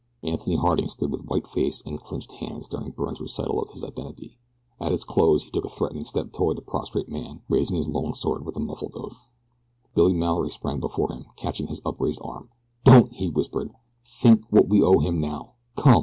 Anthony Harding stood with white face and clinched hands during Byrne's recital of his identity. At its close he took a threatening step toward the prostrate man, raising his long sword, with a muffled oath. Billy Mallory sprang before him, catching his upraised arm. "Don't!" he whispered. "Think what we owe him now. Come!"